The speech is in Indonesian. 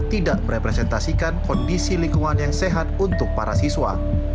tidak merepresentasikan kondisi lingkungan yang sehat untuk para siswa